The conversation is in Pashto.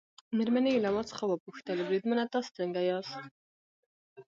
مېرمنې یې له ما څخه وپوښتل: بریدمنه تاسي څنګه یاست؟